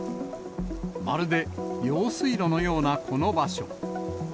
まるで用水路のようなこの場所。